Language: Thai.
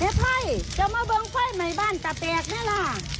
เฮท่าเฮ่ยจะมาบริเวณเว้นใหม่บ้านเปล่านั้นล่ะ